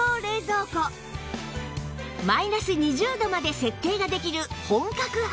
マイナス２０度まで設定ができる本格派